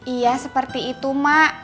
iya seperti itu mak